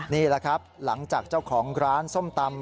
นี่แหละครับหลังจากเจ้าของร้านส้มตำ